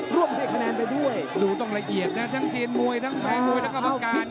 ร่วมได้คะแนนไปด้วยดูต้องละเอียดนะทั้งเซียนมวยทั้งแฟนมวยทั้งกรรมการ